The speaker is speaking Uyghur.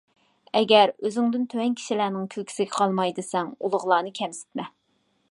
ئەگەر ئۆزۈڭدىن تۆۋەن كىشىلەرنىڭ كۈلكىسىگە قالماي دېسەڭ، ئۇلۇغلارنى كەمسىتمە.